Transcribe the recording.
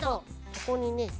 ここにね